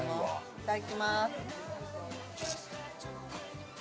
いただきます。